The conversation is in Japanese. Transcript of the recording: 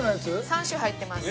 ３種入ってます。